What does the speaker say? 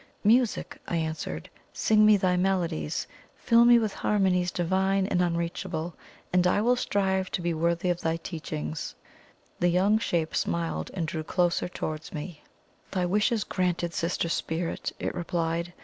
"Music!" I answered. "Sing me thy melodies fill me with harmonies divine and unreachable and I will strive to be worthy of thy teachings!" The young Shape smiled and drew closer towards me. "Thy wish is granted, Sister Spirit!" it replied.